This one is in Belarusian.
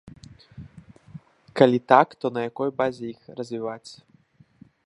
Калі так, то на якой базе іх развіваць?